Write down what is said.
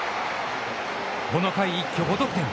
この回、一挙５得点。